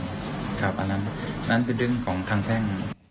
อันนั้นเป็นเรื่องของทางแพ่ง